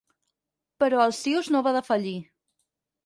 Però Alsius no va defallir.